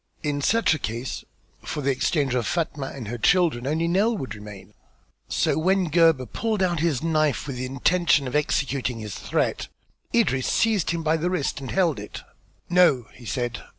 In such a case for the exchange of Fatma and her children only Nell would remain. So when Gebhr pulled out his knife with the intention of executing his threat, Idris seized him by the wrist and held it. "No!" he said.